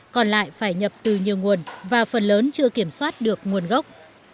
còn lại phải nhập từ nhiều nguồn và phần lớn chưa kiểm soát được nguồn gốc